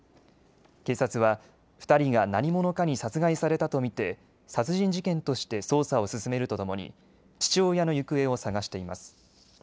警察は２人が何者かに殺害されたと見て殺人事件として捜査を進めるとともに父親の行方を捜しています。